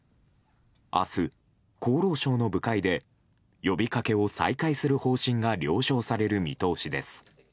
明日、厚労省の部会で呼びかけを再開する方針が了承される見通しです。